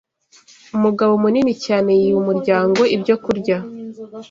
Umugabo munini cyane yiba umuryango ibyokurya